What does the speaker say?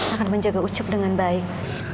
akan menjaga ucuk dengan baik